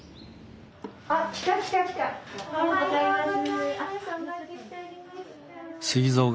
おはようございます。